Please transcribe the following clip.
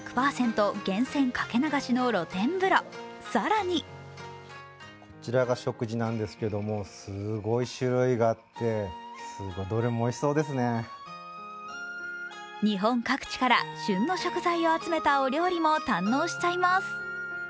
源泉かけ流しの露天風呂、更にこちらが食事なんですけども、すごい種類があって、日本各地から旬の食材を集めたお料理も堪能しちゃいます。